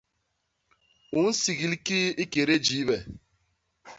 U nsigil ki ikédé jiibe?